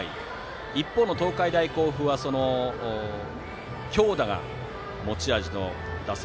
一方の東海大甲府は強打が持ち味の打線。